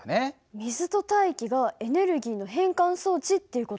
水と大気がエネルギーの変換装置っていう事？